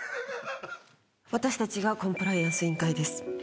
私たちがコンプライアンス委員会です。